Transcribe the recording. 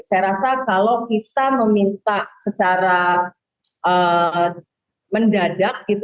saya rasa kalau kita meminta secara mendadak